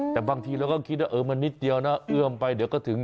แต่บางทีเราก็คิดว่าเออมันนิดเดียวนะเอื้อมไปเดี๋ยวก็ถึง